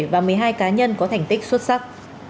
và một mươi hai cá nhân có thành tích xuất sắc